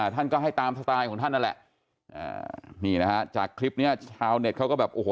ท่านก็ให้ตามสไตล์ของท่านนั่นแหละอ่านี่นะฮะจากคลิปเนี้ยชาวเน็ตเขาก็แบบโอ้โห